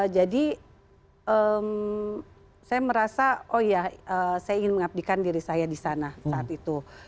jadi saya merasa oh iya saya ingin mengabdikan diri saya di sana saat itu